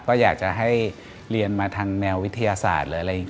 ก็อยากจะให้เรียนมาทางแนววิทยาศาสตร์หรืออะไรอย่างนี้